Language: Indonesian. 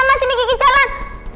masih di jalan